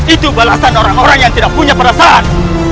itu balasan orang orang yang tidak punya perasaan